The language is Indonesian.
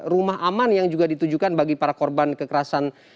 rumah aman yang juga ditujukan bagi para korban kekerasan